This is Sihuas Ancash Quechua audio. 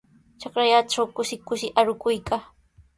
Trakrallaatraw kushi kushi arukuykaa.